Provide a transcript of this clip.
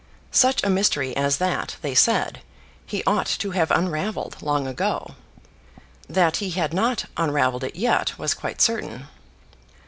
Such a mystery as that, they said, he ought to have unravelled long ago. That he had not unravelled it yet was quite certain.